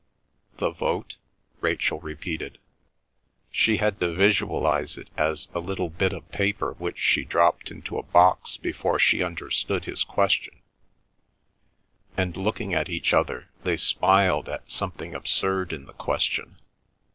"The vote?" Rachel repeated. She had to visualise it as a little bit of paper which she dropped into a box before she understood his question, and looking at each other they smiled at something absurd in the question.